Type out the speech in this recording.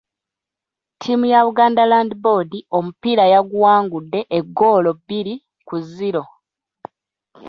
Ttiimu ya Buganda Land Board omupiira yaguwangudde eggoolo bbiri ku zziro.